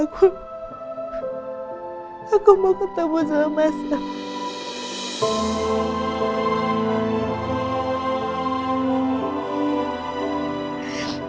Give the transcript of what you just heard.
aku mau ketemu sama masa